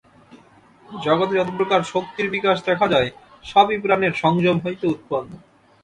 জগতে যতপ্রকার শক্তির বিকাশ দেখা যায়, সবই প্রাণের সংযম হইতে উৎপন্ন।